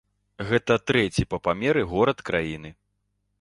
Гэта трэці па памеры горад краіны.